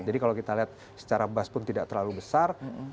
jadi kalau kita lihat secara buzz pun tidak terlalu besar